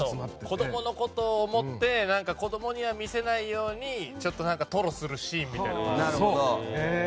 子供のことを思って子供には見せないようにちょっと吐露するシーンみたいなのが。